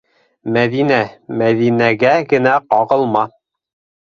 Мәҙинә, Мәҙинәгә генә... ҡағылма?!